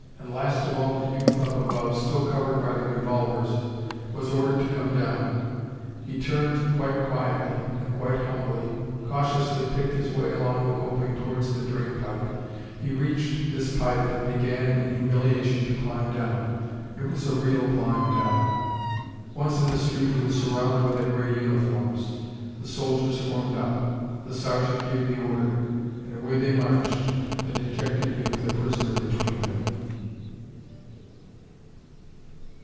And last of all the youth up above, still covered by the revolvers, was ordered to come down. He turned quite quietly, and quite humbly, cautiously picked his way along the coping towards the drain pipe. He reached this pipe and began, in humiliation, to climb down. It was a real climb down. Once in the street he was surrounded by the grey uniforms. The soldiers formed up. The sergeant gave the order. And away they marched, the dejected youth a prisoner between them.